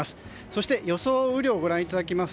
そして予想雨量です。